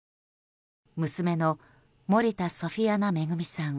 娘の森田ソフィアナ恵さん